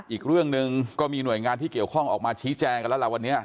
อีกเรื่องหนึ่งก็มีหน่วยงานที่เกี่ยวข้องออกมาชี้แจงกันแล้วล่ะวันนี้